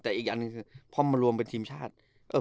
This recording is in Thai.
แต่อีกอันหนึ่งคือพอมารวมเป็นทีมชาติ